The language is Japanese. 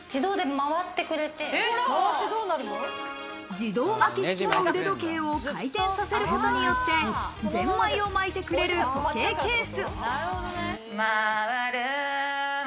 自動巻式の腕時計を回転させることによって、ゼンマイを巻いてくれる時計ケース。